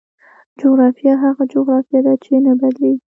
جغرافیه هغه جغرافیه ده چې نه بدلېږي.